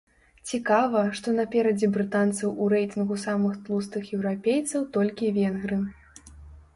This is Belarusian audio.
Цікава, што наперадзе брытанцаў у рэйтынгу самых тлустых еўрапейцаў толькі венгры.